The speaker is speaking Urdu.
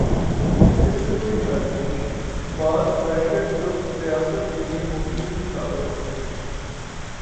اس میں کوئی حرج بھی نہیں، بعض پریشر گروپس ریاست کے لئے مفید بھی ثابت ہوتے ہیں۔